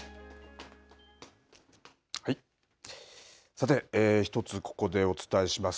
さて１つ、ここでお伝えします。